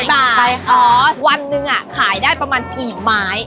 เหมือน๑๐๐บาทวันนึงอ่ะขายได้ประมาณกี่ไม้